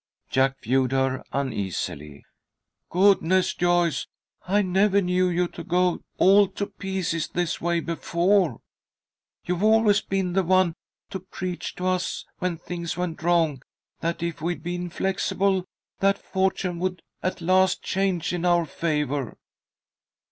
Jack viewed her uneasily. "Goodness, Joyce! I never knew you to go all to pieces this way before. You've always been the one to preach to us when things went wrong, that if we'd be inflexible that fortune would at last change in our favour."